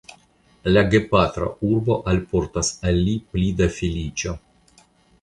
La gepatra urbo alportos al li pli da feliĉo.